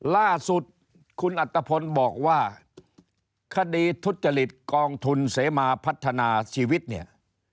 ล่าสุดคุณอัตภพลบอกว่าคดีทุจริตกองทุนเสมาพัฒนาชีวิตเนี่ย